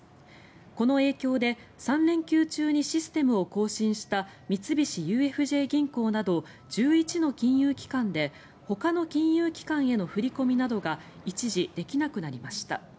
この影響で３連休中にシステムを更新した三菱ＵＦＪ銀行など１１の金融機関でほかの金融機関への振り込みなどが一時できなくなりました。